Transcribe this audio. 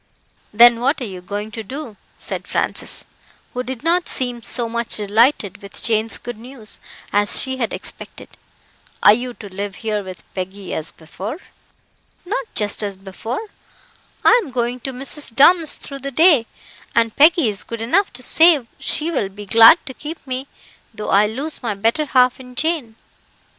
"Then what are YOU going to do?" said Francis, who did not seem so much delighted with Jane's good news as she had expected. "Are you to live here with Peggy, as before?" "Not just as before. I am going to Mrs. Dunn's through the day, and Peggy is good enough to say she will be glad to keep me, though I lose my better half in Jane.